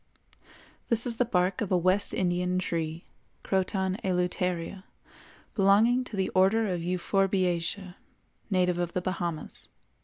This is the bark of a West Indian tree, Croton Eluteria, belonging to the Order of Euphorbiaceæ, native of the Bahamas.